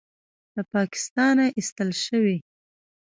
له پاکستانه ایستل شوی